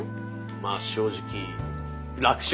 まあ正直楽勝？